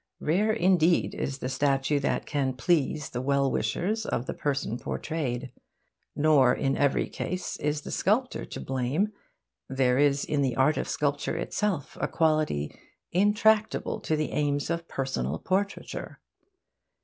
Rare indeed is the statue that can please the well wishers of the person portrayed. Nor in every case is the sculptor to blame. There is in the art of sculpture itself a quality intractable to the aims of personal portraiture.